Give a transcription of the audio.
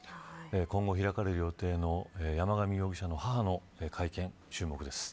今後、開かれる予定の山上容疑者の母の会見に注目です。